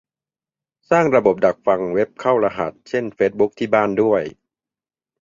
สร้างระบบดักฟังเว็บเข้ารหัส เช่น เฟซบุ๊ก ที่บ้านด้วย